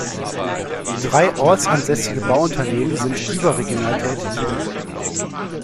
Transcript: Drei ortsansässige Bauunternehmen sind überregional tätig.